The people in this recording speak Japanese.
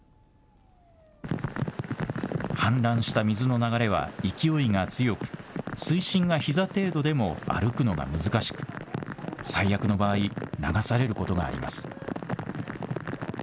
氾濫した水の流れは勢いが強く水深がひざ程度でも歩くのが難しく最悪の場合流されることがあります。